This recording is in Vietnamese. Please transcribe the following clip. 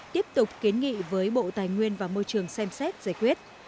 tiếp tục kiến nghị với bộ tài nguyên và môi trường xem xét giải quyết